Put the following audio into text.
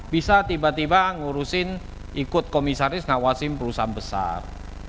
bisa tiba tiba ngurusin ikut komisaris ngawasin perusahaan besar